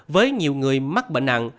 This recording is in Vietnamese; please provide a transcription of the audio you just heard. với nhiều người mắc bệnh nặng